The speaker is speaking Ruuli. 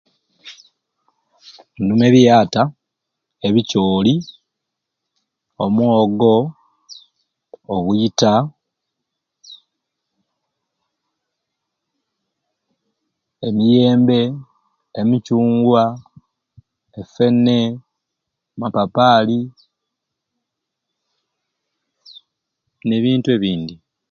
Nduma ebiyata, ebikyoli, omwoogo, obwita, emiyembe, emicungwa, ofene, amapapali nebintu ebindi.